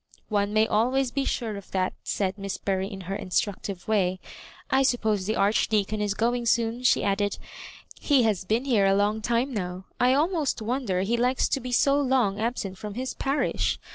'*One may always be sure of that," said Miss Bury, in her instructive way. " I suppose the Archdeacon is going soon," she added ;*' he has been here a long time now. I almost wonder he likes to be so long absent from his parish.